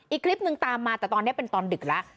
อีกคลิปนึงตามมาแต่ตอนนี้เป็นตอนดึกแล้ว